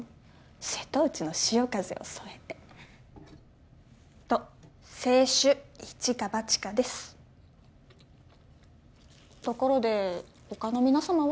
瀬戸内の潮風を添えてと清酒「一か八か」ですところで他の皆様は？